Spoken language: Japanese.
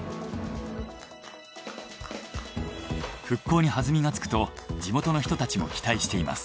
復興にはずみがつくと地元の人たちも期待しています。